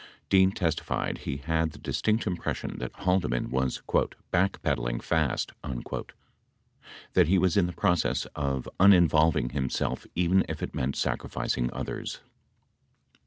Dean testified he had the distinct impression that Haldeman was "back pedaling fast," that he was in the process of uninvolving himself even if it meant sacrificing others.